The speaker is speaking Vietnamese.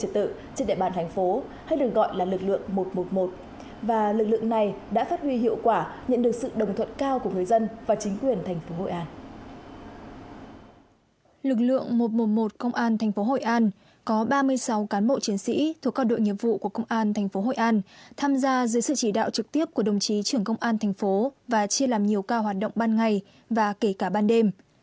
tham gia dưới sự chỉ đạo trực tiếp của đồng chí trưởng công an thành phố và chia làm nhiều cao hoạt động ban ngày và kể cả ban đêm